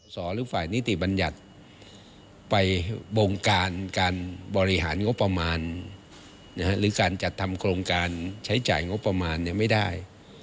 หรือฝ่ายนิติบัญญัติไปบงการการบริหารงบประมาณหรือการจัดทำโครงการใช้จ่ายงบประมาณไม่ได้